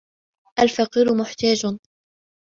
الْفَقِيرُ مُحْتَاجٌ.